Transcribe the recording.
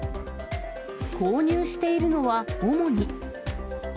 購入しているのは主に。